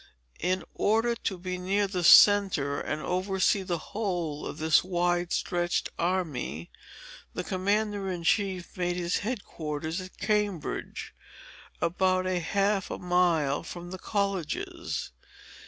In order to be near the centre, and oversee the whole of this wide stretched army, the commander in chief made his head quarters at Cambridge, about half a mile from the colleges.